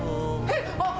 えっ！